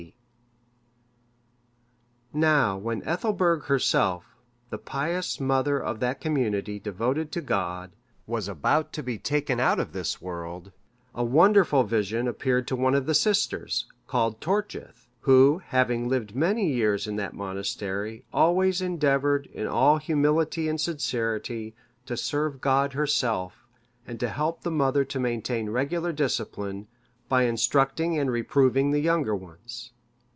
D.?] Now when Ethelburg herself, the pious mother of that community devoted to God, was about to be taken out of this world, a wonderful vision appeared to one of the sisters, called Tortgyth; who, having lived many years in that monastery, always endeavoured, in all humility and sincerity, to serve God herself, and to help the mother to maintain regular discipline, by instructing and reproving the younger ones.